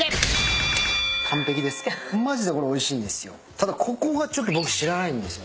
ただここがちょっと僕知らないんですよね。